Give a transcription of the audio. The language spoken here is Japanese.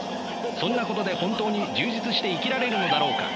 そんなことで本当に充実して生きられるのだろうか。